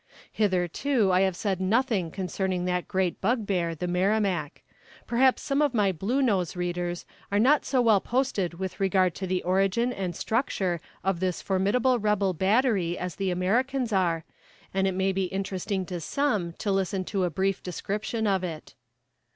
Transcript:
Hitherto I have said nothing concerning that great bugbear, the Merrimac. Perhaps some of my "blue nose" readers are not so well posted with regard to the origin and structure of this formidable rebel battery as the Americans are, and it may be interesting to some to listen to a brief description of it.